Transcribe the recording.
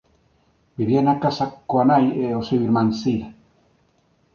Vivía na casa coa nai e o seu irmán Sid.